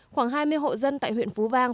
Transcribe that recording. khoảng hai mươi hộ dân tại huyện phú vang